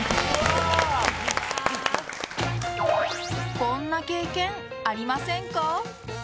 こんな経験ありませんか？